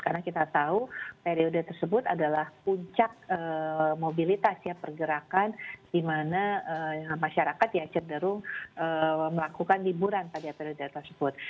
karena kita tahu periode tersebut adalah puncak mobilitas ya pergerakan di mana masyarakat ya cenderung melakukan diburahan